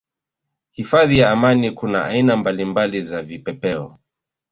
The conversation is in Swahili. Hifadhi ya Amani kuna aina mbalimbali za vipepeo